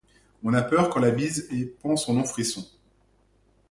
On a peur quand la bise épand son long frisson ;